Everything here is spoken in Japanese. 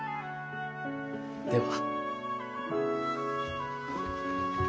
では。